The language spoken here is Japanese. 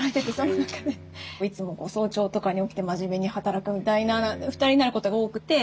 いつも早朝とかに起きて真面目に働くみたいな２人になることが多くて。